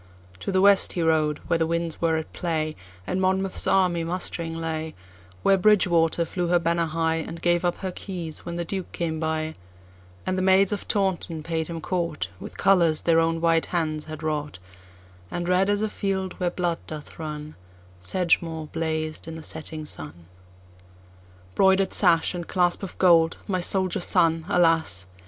To the west he rode, where the winds were at play, And Monmouth's army mustering lay; Where Bridgewater flew her banner high, And gave up her keys, when the Duke came by; And the maids of Taunton paid him courtWith colors their own white hands had wrought; And red as a field, where blood doth run, Sedgemoor blazed in the setting sun. Broider'd sash and clasp of gold, my soldier son, alas!